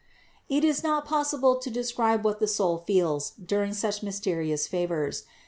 30. It is not possible to describe what the soul feels during such mysterious favors.